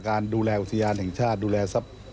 ก่อนกลับถึงถาษุและ